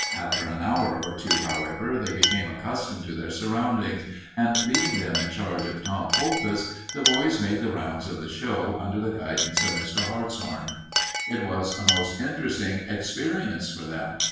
After an hour or two, however, they became accustomed to their surroundings, and leaving them in charge of Tom Poultice, the boys made the rounds of the show under the guidance of Mr. Hartshorn. It was a most interesting experience for them.